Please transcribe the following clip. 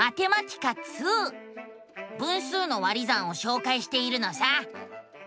分数の「割り算」をしょうかいしているのさ。